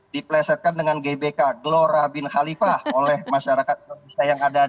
diplesetkan dengan gbk glora bin khalifah oleh masyarakat indonesia yang ada di